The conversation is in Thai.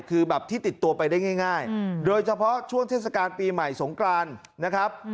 คือแบบที่ติดตัวไปได้ง่ายโดยเฉพาะช่วงเทศกาลปีใหม่สงกรานนะครับ